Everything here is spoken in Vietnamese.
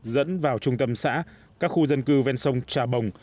dẫn vào trung tâm xã các khu dân cư ven sông trà bồng